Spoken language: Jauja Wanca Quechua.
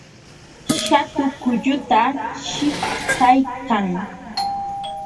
Shatu kulluta chiqtaykan